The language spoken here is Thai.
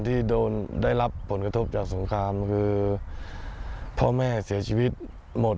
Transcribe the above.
ที่โดนได้รับผลกระทบจากสงครามคือพ่อแม่เสียชีวิตหมด